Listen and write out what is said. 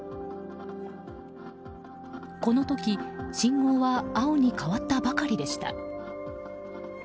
この時、信号は青に変わったばかりでした。